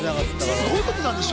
すごいことなんでしょ。